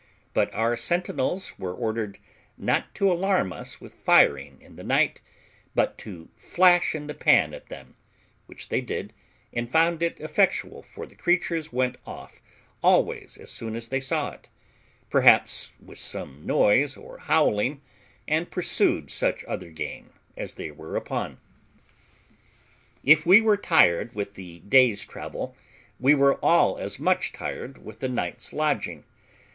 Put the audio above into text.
But our sentinels were ordered not to alarm us with firing in the night, but to flash in the pan at them, which they did, and found it effectual, for the creatures went off always as soon as they saw it, perhaps with some noise or howling, and pursued such other game as they were upon. If we were tired with the day's travel, we were all as much tired with the night's lodging.